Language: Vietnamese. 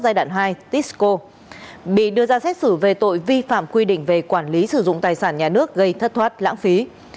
giai đoạn hai tisco bị đưa ra xét xử về tội vi phạm quy định về quản lý sử dụng tài sản nhà nước gây thất thoát lãng phí